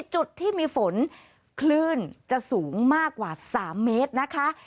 จุดที่มีฝนคลื่นจะสูงมากกว่า๓เมตรนะคะ